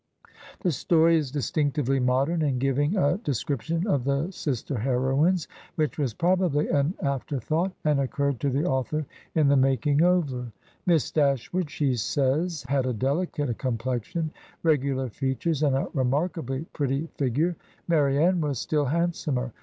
The story is distinctively modem in giving a de scription of the sister heroines, which was probably an afterthought, and occurred to the author in the making 71 Digitized by VjOOQIC HEROINES OF FICTION over. "Miss Dashwood/' she says, "had a delicate complexion, regular features, and a remarkably pretty figure. Marianne was still handsomer.